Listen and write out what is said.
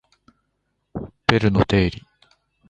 ベルの定理